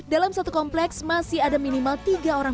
dalam satu kompleks masih ada minimal tiga orang